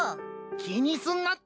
気にすんなって。